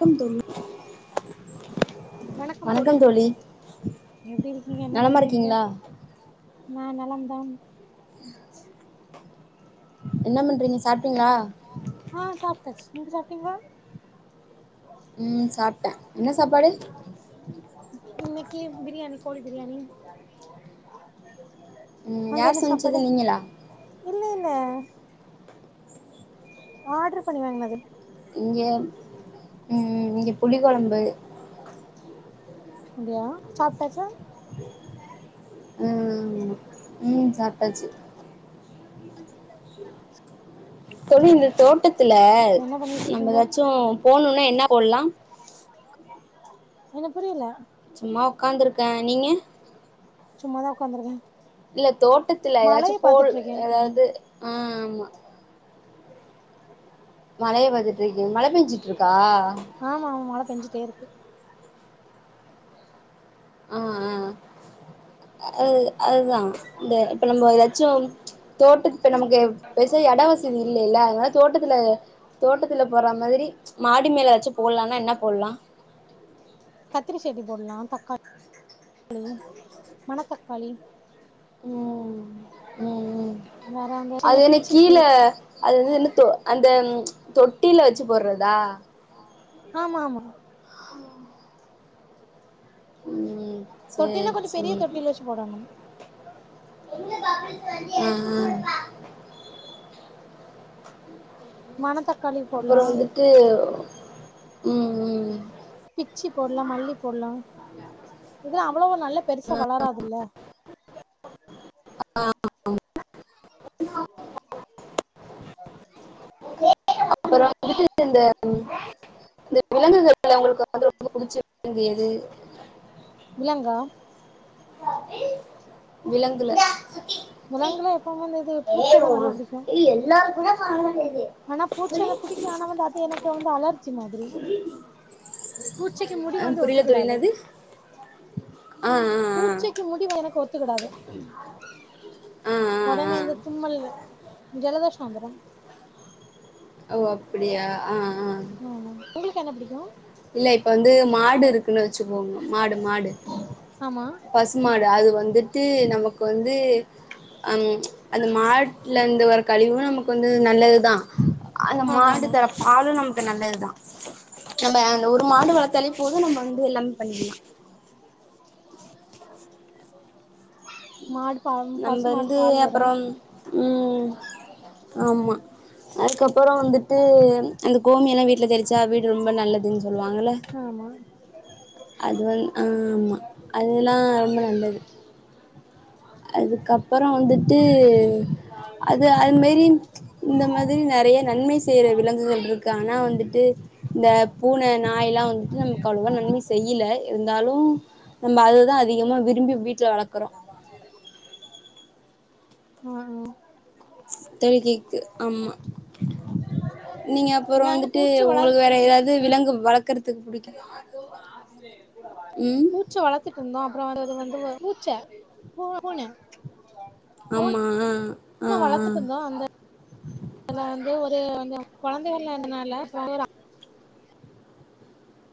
வணக்கம் தோழி வணக்கம் தோழி எப்டி இருக்கீங்க என்ன நலமா பண்றீங்க இருக்கீங்களா நா நலம்தான் என்ன பண்றீங்க சாப்ட்டீங்ளா டீங்ளா ம் சாப்ட்டே என்ன சாப்பாடு இன்னக்கி பிரியாணி கோழி பிரியாணி ம் அங்க யார் என்ன சாப்பாடு சமச்சது நீங்களா இல்ல இல்ல ஆட்ரு பண்ணி வாங்குனது இங்க ம் இங்க புளி கொழம்பு அப்டியா சாப்ட்டாச்சா ம் ம் ம் சாப்டாச்சு தோழி சேரி இந்த சேரி தோட்டத்துல என்ன பண்ணிட்டு நம்ம இருக்கீங்க ஏதாச்சு போணுனா என்னா போல்லா என்ன புரியல சும்மா உக்காந்துருக்கே நீங்க சும்மாதா உக்காந்துருக்கே இல்ல தோட்டத்துல ஏதாச்சு மழைய போல் பாத்துட்ருக்கே ம் ஏதாவது ம் ஆமா மழய பாத்துட்டு இருக்கீங் மழ பேஞ்சுட்டு இருக்கா ஆமா ஆமா மழ பேஞ்சுட்டே இருக்கு ஆ ஆ அ அதுதா இந்த இப்ப நம்ப ஏதாச்சும் தோட்டத் இப்ப நமக்கு பெசா எடோ வசதி இல்லைல்ல அதனால தோட்டத்துல தோட்டத்துல போற மாதிரி மாடி மேல வச்சு போட்லான்னா என்ன போட்லா கத்திரி செட்டி போட்லா தக்காள் மணத்தக்காளி ம் ம் ம் வேற அந்த சின்ன அது என்ன பிச்சி பூ கீழ அது வந்து என்ன தே அந்த தொட்டில வச்சு போட்றதா ஆமா ஆமா ம் சேரி தொட்டின்னா கொஞ்சோ பெரிய சேரி தொட்டியில வச்சு [inaudible] ஆ ஆ மனத்தக் அப்புறோ வந்துட்டு ம் ம் பிச்சி போட்லா வ்வளவோ நல்ல பெருசா வளராதுல்ல [unintelligible] அ அப்புறோ வந்துட்டு இந்த ம் இந்த விலங்குகள்ல உங்களுக்கு வந்து ரொம்ப புடிச்ச விலங்கு எது விலங்கா விலங்குல ஆ விலங்குல எப்பவுமே இந்த இது பூச்சதா நல்லா புடிக்கு ஆனா போச்சா புடிக்கும் ஆனா வந்து அது எனக்கு வந்து அலர்ச்ஜி மாதிரி பூச்சிக்கு முடி ஆ, வந்து புரியல தோழி ஒத்துக்குடாது என்னது ஆ ஆ பூச்சிக்கு முடி வளரக்கோத் துக்குடாது ஆ ஆ ஆ ஒடனே இந்த தும்மல் ஜல [unintelligible] ஓ அப்புடியா ஆ ஆ ஆமா உங்களுக்கு என்ன பிடிக்கூ இல்ல இப்ப வந்து மாடு இருக்குன்னு வச்சுகோங்க மாடு மாடு ஆமா பசுமாடு அது வந்திட்டு நமக்கு வந்து அம் அந்த மாட்லந்து வர கழிவு நமக்கு வந்து நல்லதுதா அந்த ஆமா மாடு ஆமா தர பாலு நமக்கு நல்லதுதா நம்ப அந்த ஒரு மாடு வளத்தாலே போதூ நம்ப வந்து எல்லாமே பண்ணிக்கிலா மாடு பம் நம்ம பசு மாடு வந்து பால் தரூ அப்புறம் ம் ஆமா அதுக்கப்பறோ வந்துட்டு அந்த கோமியெல்லா வீட்ல தெளிச்சா வீடு ரொம்ப நல்லதுன் ஆமா அது வந் ஆமா அதுல்லா ரொம்ப நல்லது அதுக்கப்புறோ வந்துட்டு அது அது மேரி இந்த மாதிரி நறைய நன்மை செய்ற விலங்குகள்ட்ருக்கு ஆனா வந்துட்டு இந்த பூன நா நாய்லா வந்துட்டு நமக்கு அவ்ளவா நன்மை செய்யில இருந்தாலு நம்ப அதுதா அதிகமா விரும்பி வீட் ஜ வளக்குறோ அ அ தொழுகிக்கு ஆமா நீங்க அப்புறோ அங்க வந்துட்டு பூச்சி உங்களுக்கு வளர்த் வேற ஏதாவது விலங்கு வளக்கறதுக்கு புடிக்கும் பூச்ச வளத்துட்ருந்தோ அப்புறோ அது அது வந்து வ பூச்ச பூ பூன ஆமா ஆ ஆ பூன ஆ வளத்துட்டு இருந்தோ அந்தல வந்து அது வந்து குழந்தைகள்ல இருந்தனால [unintelligible]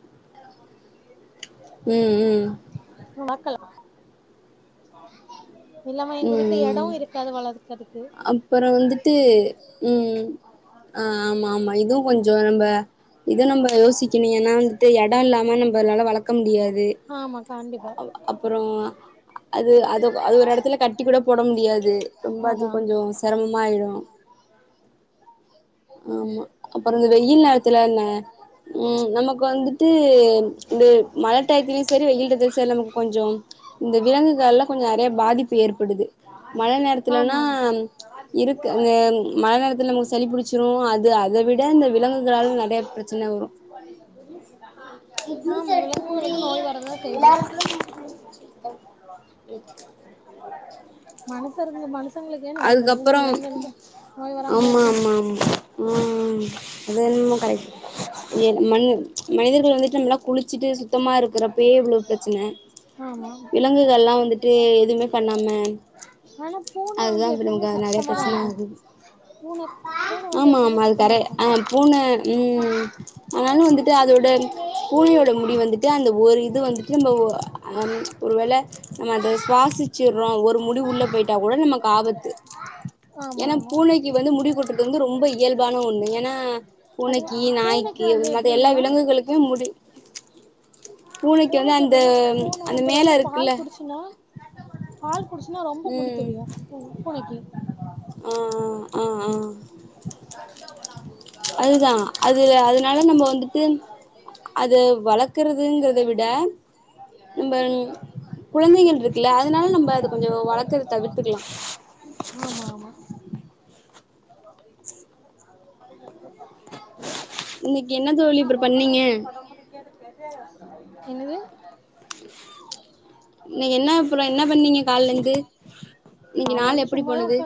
[inaudible] ம் ம் வளக்கல [inaudible] இல்லாம எங்க வீட்டுல எடம் இருக்காது வளர் அப்புற வந்துட்டு ம் ஆ ஆமா ஆமா இதுவும் கொஞ்சோ நம்ப இத நம்ம யோசிக்கணு ஏனா வந்துட்டு எ டோ இல்லாமா நம்பளால வளக்க முடியாது ஆமா கண்டிப்பா அ அப்புற அது அது அது ஒரு இடத் துல கட்டி கூட போட முடியாது ரொம்ப அது அதா கொஞ்சொ சிரமமா ஆயிரும் ஆமா அப்புறம் இந்த வெயில் நேரத்துல [unintelligible] ம் நமக்கு வந்துட்டு இந்த மழ டைதலயு சரி வெயில் டைத்திலும் சரி நமக்கு கொஞ்சொ இந்த விலங்குகளா கொஞ்சொ நிறைய பாதிப் பு ஏற்படுது மழை நேரத்திலனா ஆமா இருக்கு அந்த மழை நேரத்தில நமக்கு சளிபுடிச் [inaudible] நெறைய பிரச்சன வரு நீ ஜூஸ் ஆமா எடுத்து குடி விலங்குகளுக்கு நோய் வரதா செய்து எல்லாருக்கும் [unintelligible] மனுசற்க மனுஷங்களுக்கே நோய் வருது அதுக்கப்புறம் விலங்குகளுக்கு நோய் வராமலயா ஆமா இருக்கு ஆமா ஆமா ம் அது என்னமோ கரெக்டு [unintelligible] மன் மனிதர்கள் வந்துட்டு நம்மளா குளிச்சுட்டு சுத்தமா இருக்கறப்பயே இவ்ளோ பிரச்சன ஆமா விலங்குகள் எல்லா வந்துட்டு எதுவுமே பண்ணாம ஆனா பூன வந்து அதுதான் இப்ப எப்பவுமே நமக்கு நெறைய சுத்தமாதா பிரச்சன இருக்கு ஆகுது பூன பூன வந்து ஆமா எப்பவுமே ஆமா சுத்தமா அதுக்கரெ இருக்கு ஆ பூன ம் அதனாலு வந்துட்டு அதோட பூனையோட முடி வந்துட்டு அந்த ஒரு இது வந்துட்டு நம்ம ஒ அம் ஒரு வேள நம்ம அத சுவாசிச்சறோ ஒரு முடி உள்ள பெயி ட்டா கூட நமக்கு ஆபத்து ஆமா ஏன்னா ஆமா பூனைக்கு வந்து முடிகொட்டது வந்து ரொம்ப இயல்பான ஒண்ணு ஏன்னா அது பூனைக்கு பூனைக்கு நாய்க்கு வந்து [unintelligible] மத்த எல்லா எப்டின்னா விலங்குகளளுக்கு முடி [unintelligible] வந்து பூனைக்கு அந்த எப்டின்னா பூனை அந்த வந்து ரொம்ப மேல பால் இருக்குல்ல குடிச்சுன்னா பால் குடிச்சுன்னா ரொம் ம் தெரியும் பூ பூனைக்கு ஆ ஆ ஆ அதுதா அதுல அதனால நம்ம வந்துட்டு அது வளக்கறதுங்கறத விட நம்ப குழந்தைகள் இருக்குல்ல அதனால நம்ப அத கொஞ்சம் வளர்க்கத தவிர்த்துக்கலா ஆமா ஆமா இன்னைக்கு என்ன தோழி இப்புற பண்ணீங்க என்னது இன்னைக்கு என்ன அப்புற என்ன பண்ணீங்க காலே இருந்து இன்னைக்கு காலைல நாள் இருந்து எப்டி போனது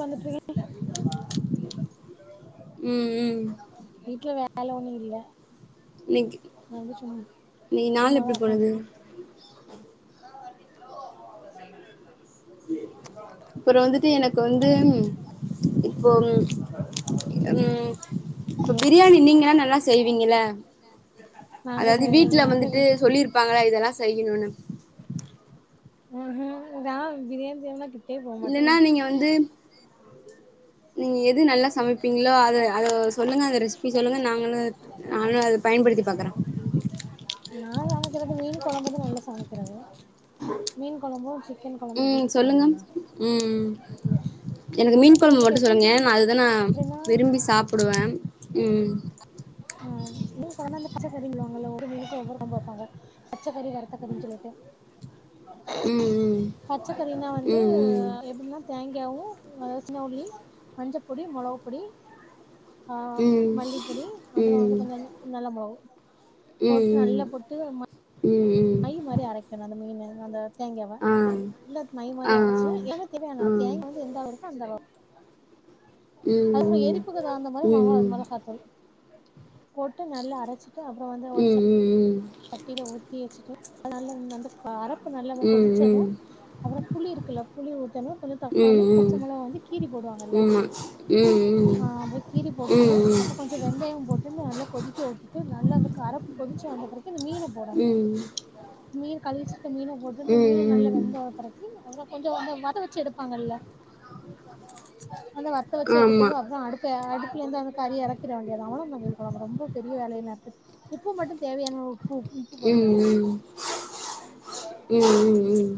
வந்துட்டு இருக்கே ம் ம் வீட்ல வேல ஒண்ணு இல்ல இன்னைக்கு நா வந்து சும் இன்னைக்கு நாள் சும்மா தா எப்டி உக்காந்து போனது இருக்கே [unintelligible] அப்புறொ வந்துட்டு எனக்கு வந்து இப்போ ம் இப்ப பிரியாணி நீங்கல்லா நல்லா செய்வீங்கள நாங்க அதாவது ச வீட்டுல நாங்க வந்துட்டு சொல்லியிருப்பாங்களா இதெல்லா செய்யணும்னு ம்ஹு நா பிரியாணி செய் மாட்டிட் இல்லன்னா நீங்க வந்து நீங் எ து நல்லா சமைப்பீங்ளோ அத அத சொல்லுங்க அந்த ரெசிபி சொல்லுங்க நாங்களு நானு அத பயன்படுத்தி பாக்கறே [unintelligible] நா சமைக்கிறது மீன் கொழம்பதா நல்லா சமைக்கிறது மீன் கொழம்பு சிக்கன் கொழம்பு ம் பீஃப் சொல்லுங்க கொழம்புந்தா எனக் மீன் கொழம்பு மட்டு சொல்லுங்க நா அதுதா நா விரும்பி சாப்புடுவே ம் ம் மீன் [inaudible] [unintelligible] ஒரு மீனுக்கு ஒவ்வொரு கொழம்பு வெப்பாங்க பச்சக்கறி வறுத்த கறின் சொல்லிட்டு ம் பச்சக்கறினா ம் வந்து ம் எப்பின்னா தே ங்யாவு அதாவ் சின்ன ஒள்ளி மஞ்சப்பொடி மொளவுப் பொடி ஆ ம் மல்லிப்பொடி அப்புறோ வந்து கொஞ்சஞ்சோ நல்ல மொளவு போட்டு ம் நல்லா போட்டு ம ம் ம் அந்த தேங்யாவ ஆ நல்ல மை மாரி ஆ அரைச்சு ஆ [inaudible] ம் தேங்கா வந்து எந்த அளவு இருக்கோ அந்த அளவு அதுகபுற ம் எரிப்புக்கு தகுந்த மாரி மகா ம் மெளகாத்தூள் போட்டு நல்லா அரைச்சிட்டு அப்புறோ வந்து ம் ஒரு ச ம் ம் ட்டில ஊத்தி வெச்சுட்டு [inaudible] க்கு நல்ல வ கொதிச்சது அப்றோ புளி இருக்குல்ல புளி ஊத்தணு கொஞ்சோ தக்காளி பச்ச மொளகா வந்து கீறி போ டுவாங்கல்ல ம் ம் அ அத கீறி போட்டுட்டு அப்ப கொஞ்சோ வெந்தயம் போட்டு நல்லா கொதிக்க உட்டுட்டு நல்லா அந்து கரப் கொதிச்சு வந்த பிற அந்த மீன போடணு ம் மீன கழுவி வெச்சு க்க மீனை போட்டு அந்த மீனு நல்ல வெந்த ஒ பிறக்கு அப்ற கொஞ்சோ அந்த வத வெச்சு எடுப்பாங்கல்ல அந்த வத்த வெச்சு ஆமா எடுத்தது அதா அடு ல அடுப்லந்து வந்து கறி எறக்கிற வேண்டியதா அவளதா மீன் கொழம்பு ரொம்ப பெரிய வேலை என்ன இருக்குத் உப்பு மட்டுந் தேவையானோ ம் ம் ம் ம் ம்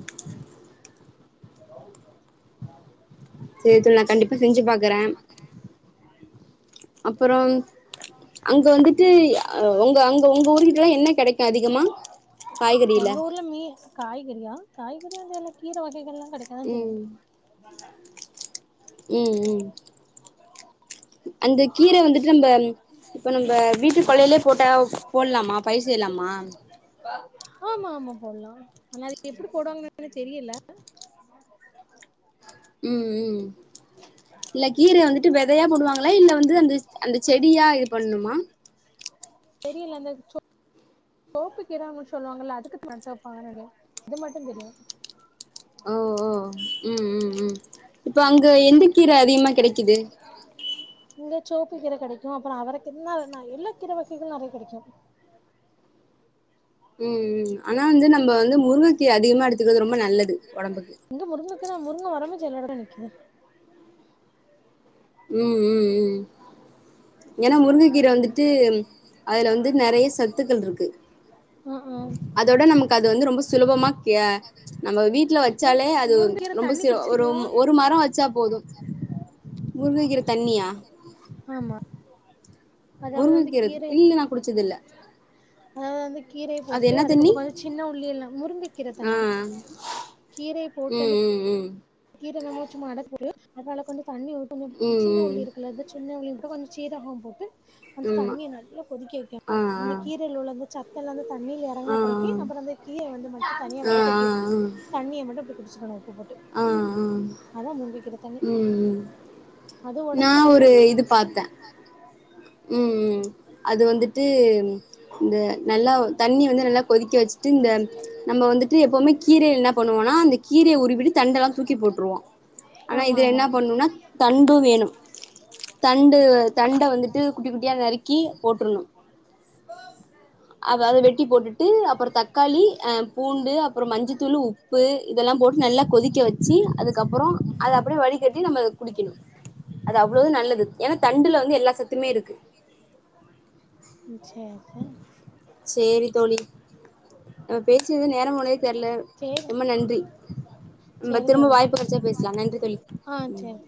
உ [unintelligible] சே தோழி நா கண்டிப்பா செஞ்சு பாக்கறே அப்புறோ அங்க வந்துட்டு அ ஒங்க அங்க உங்க ஊர்கிட்டல்லா என்ன கெடைக்கு அதிகமா காய்கறில எங்க ஊர்ல மீ காய்கறியா காய்கறி வந்து எல்லா கீர வகைகள்லா கெடைக்காதாஞ் செய்யு ம் ம் ம் அந்த கீர வந்துட்டு நம்ப இப்ப நம்ப வீட்டு கொள்ளைலியே போட்டா போல்லாமா பயிர் செய்லாமா அம் ஆமாமா போல்லா ஆனா அது எப்பிடி போடுவாங்கனு [inaudible] தெரியல்ல ம் ம் இல்ல கீரைய வந்துட்டு வெதையா போடுவாங்களா இல்ல வந்து அந்தச் அந்த செடியா இது பண்ணுமா தெரியல அந்த சோ [unintelligible] ப்புக்கீர அன்மா சொல்லுவாங்கல்ல [unintelligible] அது மட்டுந் தெரியு ஓ ஓ ம் ம் ம் இப்ப அங்க எந்த கீர அதிகமா கெடைக்கிது செவுப்பு கீர கெடைக்கு அப்புறோ அவரகி இன்னா வேண்ணா எல்லா கீர வகைகளு நறைய கெடைக்கு ம் ம் ம் ஆனா வந்து நம்ப வந்து முருங்க கீர அதிகமா எடுத்துக்கறது ரொம்ப நல்லது ஒடம்புக்கு ச்சு எல்லோரோட நிக்கிது ம் ம் ம் ஏனா முருங்க கீர வந்துட்டு அதுல வந்து நறைய சத்துக்கள்ருக்கு ம் ம் அதோட நமக்கு அது வந்து ரொம்ப சுலபமா ய நம்ம வீட்ல வெச்சாலே அது முருங்கக்கீர ரொம்ப தண்ணி சியொ குடிச்சிருக்கீங்களா ஒரும் ஒரு மரோ வெச்சா போது முருங்ககீர தண்ணியா ஆமா அதாவது முருங்கக்கீர இல்ல நா குடிச்சதில்ல அதாவ வந்து கீரைய அது போட்டு என்ன தண்ணி அதுக்கப்றமா தா சின்ன உள்ளி எல்லா முருங்க கீர ஆ தண்ணி கீரைய போட்டு ம் வந்து ம் கீர இல்லாம சும்மா [unintelligible] அதனால கொஞ்சோ தண்ணி ஊத்தனும் சின்ன ம் ம் உள்ளி இருக்குல இது சின்ன உள்ளி கொஞ்சோ சீரகம் போட்டு அந்த ம் தண்ணிய நல்லா கொதுக்க வைக்கனு ஆமா அந்த கீரையில உள்ள அந்த சத்தெல்லா தண்ணில ஆ ஆ எறங்கின பிறகி ஆ அப்றோ வந்து கீர வந்து மட்டு தனியா ஆ ஆ வடிக்கட்டி எடுத்து தண்ணிய மட்டு குடிச்சிருவே நா உப்பு போட்டு ஆஹ் ஆஹ் அதான் முந்திக்கிற தண்ணி ம் ம் அது நா உடம்புக்கு ஒரு நல்லது இது பாத்தே ம் ம் அது வந்துட்டு இந்த நல்லா தண்ணி வந்து நல்லா கொதிக்க வச்சுட்டு இந்த நம்ப வந்துட்டு எப்பவுமே கீரைய என்னா பண்ணுவோ னா அந்த கீரைய உருவிட்டு தண்டெல்லா தூக்கி போட்ருவோ ஆனா ஆமாம் இதுல என்னா ஆமாம் பண்ணுன்னா தண்டு வேனும் தண்டு தண்ட வந்துட்டு குட்டி குட்டியா நறுக்கி போட்றனு அத அத வெட்டி போட்டுட்டு அப்றோ தக்காளி ஆ பூண்டு அப்றோ மஞ்சத்தூளு உப்பு இதெல்லா போ ட்டு நல்லா கொதிக்க வச்சி அதுக்கப்றோ அத அப்டியே வடிகட்டி நம்ப அத குடிக்கனு அது அவ்ளவு நல்லது ஏனா தண்டுல வந்து எல்லா சத்துமே இருக்கு ம் சேர் சேரி தோழி நம்ப பேசுனது நேரோ போனதே தெர்ல சரி ரொம்ப நன்றி நம்ப சரி திரும்ப தோழி வாய்ப்பு கெடச்சா பேசலா நன்றி தோழி ஆ ம் சரி